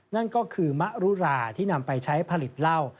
นั่นก็คือมะรุราที่นำไปใช้ผลิตเหล้า